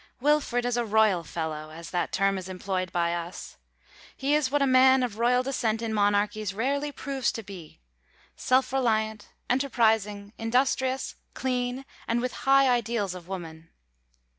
Wilfred is a royal fellow, as that term is employed by us. He is what a man of royal descent in monarchies rarely proves to be, self reliant, enterprising, industrious, clean, and with high ideals of woman.